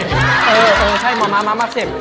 เออใช่ม้าม้าม้ามอักเสบ